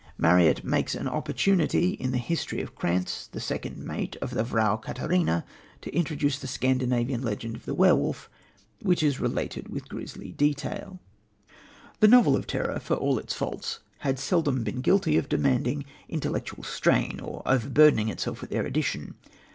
Marryat makes an opportunity in the history of Krantz, the second mate of the Vrou Katerina, to introduce the Scandinavian legend of the werewolf, which is related with grisly detail. The novel of terror, with all its faults, had seldom been guilty of demanding intellectual strain or of overburdening itself with erudition.